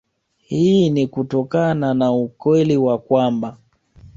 Hii ni kutokana na ukweli wa kwamba